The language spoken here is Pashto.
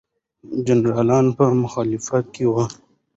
جنرالان په مخالفت کې وو.